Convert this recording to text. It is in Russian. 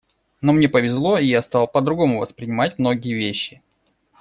Но мне повезло, и я стал по-другому воспринимать многие вещи.